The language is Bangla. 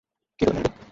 কী হলো, মেলোডি।